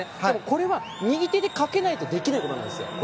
これは右手でかけないとできないと思いますよ。